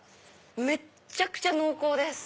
めっちゃくちゃ濃厚です！